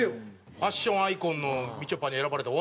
ファッションアイコンのみちょぱに選ばれたら終わりでしょ。